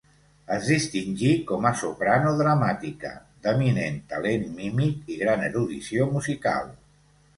Es distingí com a soprano dramàtica, d'eminent talent mímic i gran erudició musical.